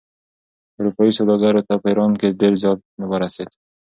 اروپايي سوداګرو ته په ایران کې ډېر زیان ورسېد.